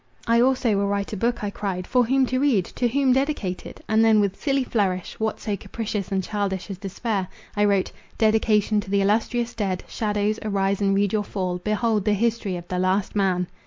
I also will write a book, I cried—for whom to read?—to whom dedicated? And then with silly flourish (what so capricious and childish as despair?) I wrote, DEDICATION TO THE ILLUSTRIOUS DEAD. SHADOWS, ARISE, AND READ YOUR FALL! BEHOLD THE HISTORY OF THE LAST MAN.